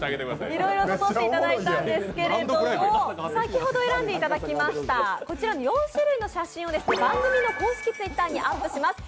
いろいろと撮ってくれたんですけど先ほど選んでいただきましたこちらの４種類の写真を番組の公式Ｔｗｉｔｔｅｒにアップします